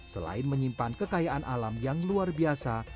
selain menyimpan kekayaan alam yang luar biasa